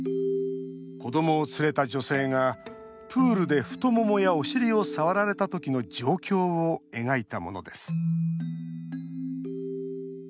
子どもを連れた女性がプールで太ももや、お尻を触られたときの状況を描いたものです。